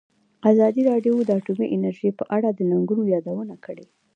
ازادي راډیو د اټومي انرژي په اړه د ننګونو یادونه کړې.